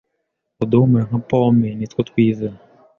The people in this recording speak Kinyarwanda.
uduhumura nka pome nitwo twiza